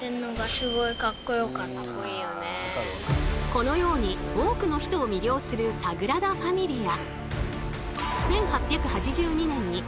このように多くの人を魅了するサグラダ・ファミリア。